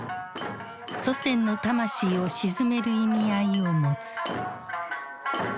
祖先の魂を鎮める意味合いを持つ。